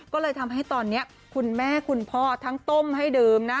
ก็เลยทำให้ตอนนี้คุณแม่คุณพ่อทั้งต้มให้ดื่มนะ